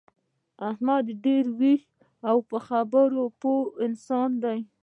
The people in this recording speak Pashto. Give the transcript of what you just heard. احمد ډېر ویښ او په خبره پوه انسان دی.